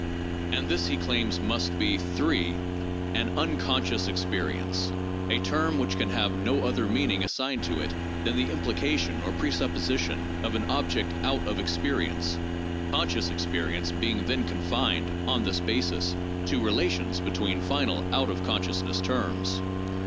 And this he claims must be (3) an 'unconscious experience,' a term which can have no other meaning assigned to it than the implication or presupposition of an object out of experience, conscious experience being then confined (on this basis) to relations between final out of consciousness terms.